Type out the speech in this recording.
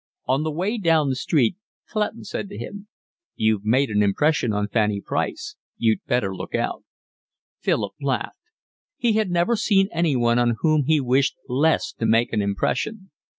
On the way down the street Clutton said to him: "You've made an impression on Fanny Price. You'd better look out." Philip laughed. He had never seen anyone on whom he wished less to make an impression.